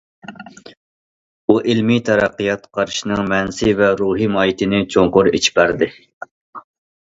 بۇ ئىلمىي تەرەققىيات قارىشىنىڭ مەنىسى ۋە روھى ماھىيىتىنى چوڭقۇر ئېچىپ بەردى.